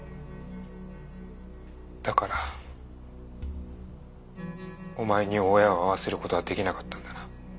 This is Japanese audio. だからお前に親を会わせる事ができなかったんだな。